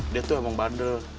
dia tuh emang bandel